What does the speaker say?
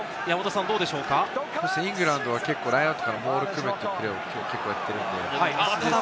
イングランドは結構ラインアウトか、モールを組むというのはきょう結構やってるんで。